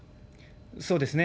そうですね。